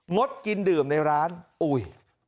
ดกินดื่มในร้านอุ้ย